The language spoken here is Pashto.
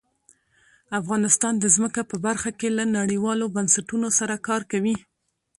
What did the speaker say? افغانستان د ځمکه په برخه کې له نړیوالو بنسټونو سره کار کوي.